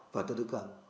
và từ đức cường